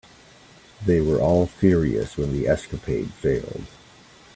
They were all furious when the escapade failed.